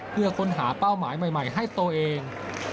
เพื่อค้นหาเป้าหมายใหม่ให้ตัวเอง